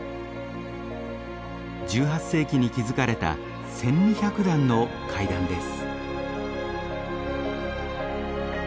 １８世紀に築かれた１，２００段の階段です。